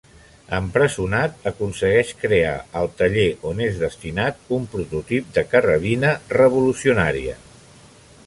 Empresonat, aconsegueix crear, al taller on és destinat, un prototip de carrabina revolucionària.